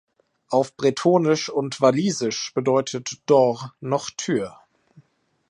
Auf bretonisch und walisisch bedeutet "dor" noch „Tür“.